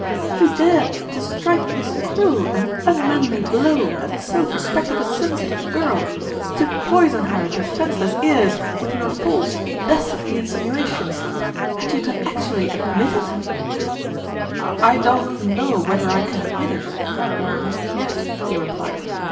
"You dared to strike this cruel and un manly blow at the self respect of a sensitive girl to poison her defenseless ears with your l)eqtte. 71 false, dastardly insinuations and you can actu ally admit it ?"" I don't know whether I can admit it or not yet," he replied.